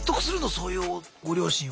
そういうご両親を。